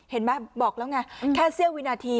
เห็นไหมบอกแล้วไงแค่เสี้ยววินาที